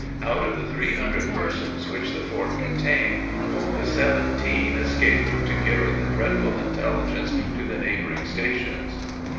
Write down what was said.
Out of the three hundred persons which the fort contained, only seventeen escaped to carry the dreadful intelligence to the neighboring stations.